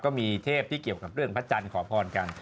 ก็มีเทพที่เกี่ยวกับเรื่องพระจันทร์ขอพรกัน